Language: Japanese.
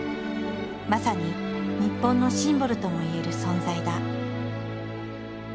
まさに日本のシンボルともいえる存在だ。